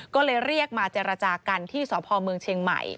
ก็เลยเรียกมาเจรจากันที่สพเมืองเชียงใหม่